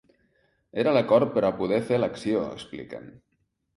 Era l’acord per a poder fer l’acció, expliquen.